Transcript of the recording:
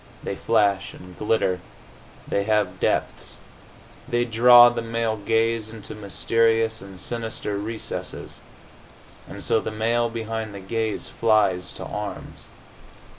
They flash and glitter. They have depths. They draw the male gaze into mysterious and sinister recesses. And so the male behind the gaze flies to arms.